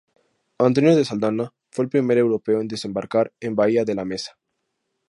António de Saldanha fue el primer europeo en desembarcar en Bahía de la Mesa.